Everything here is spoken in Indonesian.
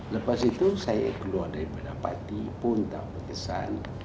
lepas itu saya keluar dari partipun tak berkesan